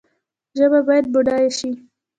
ژبه باید بډایه شي